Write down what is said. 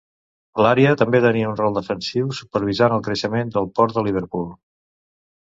L'àrea també tenia un rol defensiu supervisant el creixement del port de Liverpool.